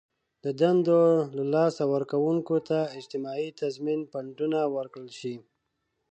د دندو له لاسه ورکوونکو ته اجتماعي تضمین فنډونه ورکړل شي.